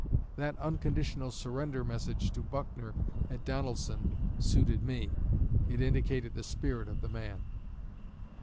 That 'unconditional surrender' message to Buckner at Donelson suited me. It indicated the spirit of the man."